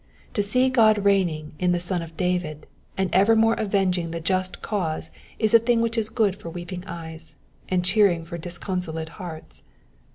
To see God reigning in the Son of David and evennore avenging the just cause is a thing which is good for weeping eyes, and cheering for disconsolate hearts.